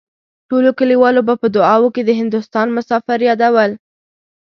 ټولو کليوالو به په دعاوو کې د هندوستان مسافر يادول.